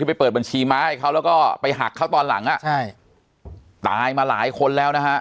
ไปเปิดบัญชีม้าให้เขาแล้วก็ไปหักเขาตอนหลังอ่ะใช่ตายมาหลายคนแล้วนะฮะ